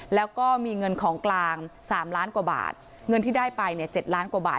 แล้วก็มีเงินของกลาง๓ล้านกว่าบาทเงินที่ได้ไปเนี่ย๗ล้านกว่าบาท